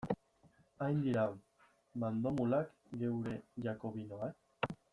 Hain dira mandomulak gure jakobinoak?